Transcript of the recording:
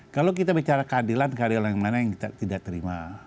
kalau kita bicara keadilan keadilan yang mana yang kita tidak terima